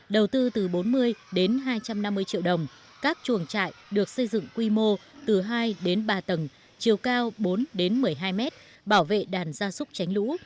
đầu tư từ bốn mươi đến hai trăm năm mươi triệu đồng các chuồng trại được xây dựng quy mô từ hai đến ba tầng chiều cao bốn đến một mươi hai mét bảo vệ đàn gia súc tránh lũ